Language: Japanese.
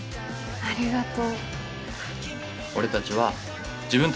ありがとう。